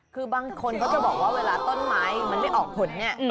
คือบางคนเขาจะบอกว่าเวลาต้นไม้มันไม่ออกผลเนี่ย